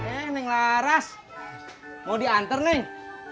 eh neng laras mau dianter neng